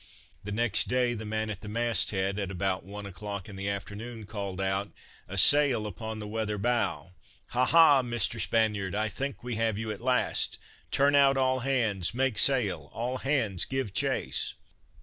The next day the man at the mast head, at about one o'clock in the afternoon, called out: "A sail upon the weather bow! Ha! Ha! Mr. Spaniard, I think we have you at last. Turn out all hands! make sail! All hands give chase!"